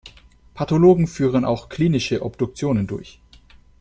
Pathologen führen auch klinische Obduktionen durch.